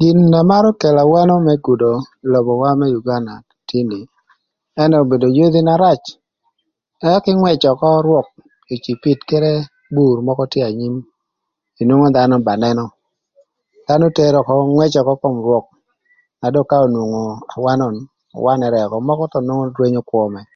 Gin na marö kelo awano më gudo ï lobowa më Uganda tin ni ënë obedo yodhi na rac ëka kï ngwëc ökö rwök ï cipid kede bur mökö tye anyim inwongo dhanö ba nënö dhanö tero ökö ngwëcö ökö kom rwök na dong ka onwongo awanon wanërë ökö mökö thon nwongo rwenyo kwö mërë